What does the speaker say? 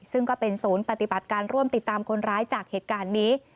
ซึ่งก็เป็นศูนย์ปฏิบัติการร่วมติดตามคนร้ายจากเหตุการณ์นี้